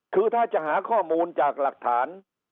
คือถ้าจะหาข้อมูลจากหลักฐาน